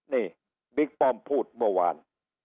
นี่บิ๊กป้อมพูดเมื่อวาน